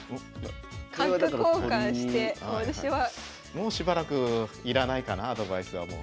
もうしばらくいらないかなアドバイスはもう。